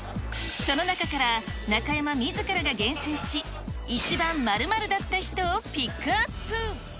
その中から中山みずからが厳選し、一番○○だった人をピックアップ。